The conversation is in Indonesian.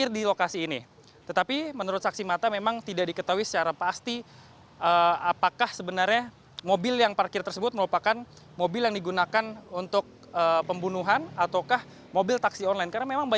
pembensin ini juga belakangan diketahui sebagai salah satu tempat transit para pelaku yang melakukan pembunuhan terhadap pupung